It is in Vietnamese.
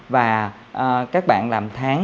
và các bạn làm tháng